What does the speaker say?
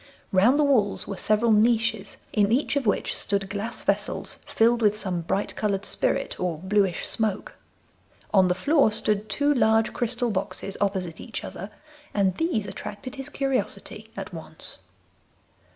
Round the walls were several niches, in each of which stood glass vessels filled with some bright coloured spirit or bluish smoke. On the floor stood two large crystal boxes opposite each other, and these attracted his curiosity at once.